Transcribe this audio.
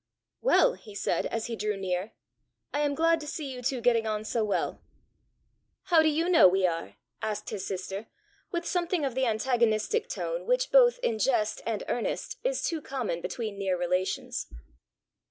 "Well," he said as he drew near, "I am glad to see you two getting on so well!" "How do you know we are?" asked his sister, with something of the antagonistic tone which both in jest and earnest is too common between near relations.